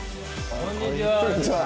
こんにちは。